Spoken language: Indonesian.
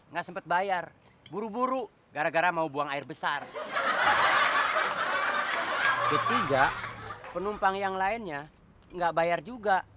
enggak penumpang yang lainnya enggak bayar juga